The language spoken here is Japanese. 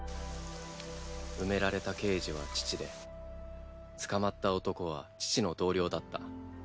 埋められた刑事は父で捕まった男は父の同僚だった。